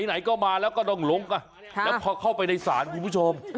ไหนก็มาแล้วก็ต้องลงกันแล้วพอเข้าไปในศาลคุณผู้ชม